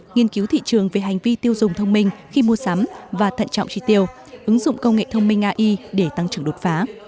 nghiên cứu thị trường về hành vi tiêu dùng thông minh khi mua sắm và thận trọng tri tiêu ứng dụng công nghệ thông minh ai để tăng trưởng đột phá